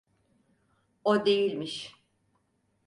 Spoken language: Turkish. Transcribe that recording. O değilmiş.